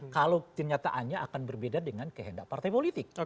kalau kenyataannya akan berbeda dengan kehendak partai politik